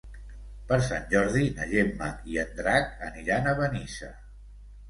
Per Sant Jordi na Gemma i en Drac aniran a Benissa.